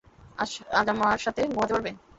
আজ আমার সাথে ঘুমাতে পারবে?